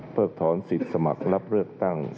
ถอนสิทธิ์สมัครรับเลือกตั้ง